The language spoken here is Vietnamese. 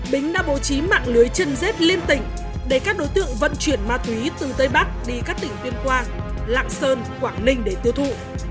bính đã bố trí mạng lưới chân dết liên tỉnh để các đối tượng vận chuyển ma túy từ tây bắc đi các tỉnh tuyên quang lạng sơn quảng ninh để tiêu thụ